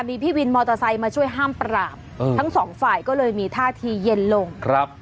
มีพี่วินมอเตอร์ไซค์มาช่วยห้ามปราบทั้งสองฝ่ายก็เลยมีท่าทีเย็นลงครับ